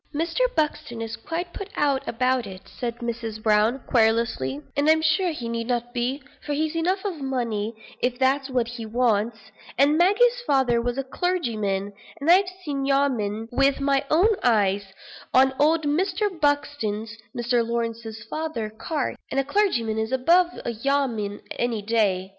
"Mr. Buxton is quite put out about it," said Mrs. Brown, querulously; "and I'm sure he need not be, for he's enough of money, if that's what he wants; and Maggie's father was a clergyman, and I've seen 'yeoman,' with my own eyes, on old Mr. Buxton's (Mr. Lawrence's father's) carts; and a clergyman is above a yeoman any day.